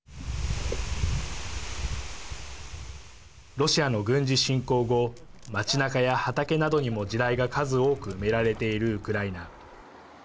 ロシアの軍事侵攻後街なかや畑などにも地雷が数多く埋められているウクライナ。